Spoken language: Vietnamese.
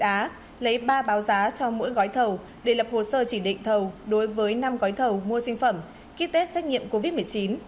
công ty việt á lấy ba báo giá cho mỗi gói thầu để lập hồ sơ chỉ định thầu đối với năm gói thầu mua sinh phẩm ký tết xét nghiệm covid một mươi chín